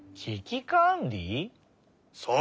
そう。